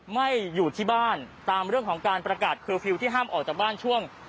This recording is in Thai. ไม่อยู่ที่บ้านตามเรื่องของการประกาศเคอร์ฟิลล์ที่ห้ามออกจากบ้านช่วง